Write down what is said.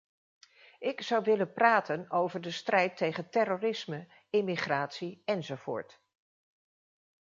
Ik zou willen praten over de strijd tegen terrorisme, immigratie, enzovoort.